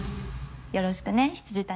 よろしくね未谷。